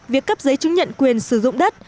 việc cấp giấy chứng nhận quyền sử dụng đất